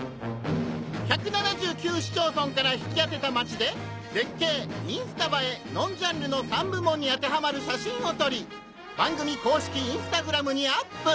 １７９市町村から引き当てたマチで「絶景」・「インスタ映え」・「ノンジャンル」の３部門に当てはまる写真を撮り『番組公式Ｉｎｓｔａｇｒａｍ』にＵＰ！